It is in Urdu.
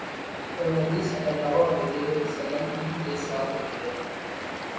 پھر نبی صلی اللہ علیہ وسلم ان کے ساتھ نکلے